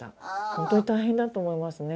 ホントに大変だと思いますね